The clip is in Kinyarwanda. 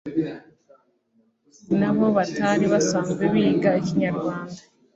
nabo batari basanzwe biga Ikinyarwanda